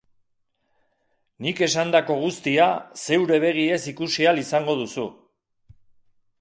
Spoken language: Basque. Nik esandako guztia zeure begiez ikusi ahal izango duzu.